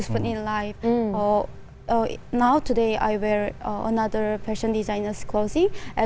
sekarang hari ini saya memakai pakaian desainer lain